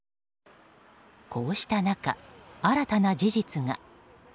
こうした中、新たな事実が。